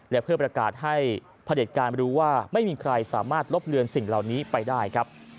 และเพื่อประกาศให้พระเด็จการรู้ว่าไม่มีใครสามารถลบเลือนสิ่งเหล่านี้ไปได้ครับ